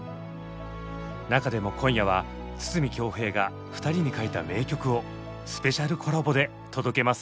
中でも今夜は筒美京平が２人に書いた名曲をスペシャルコラボで届けます。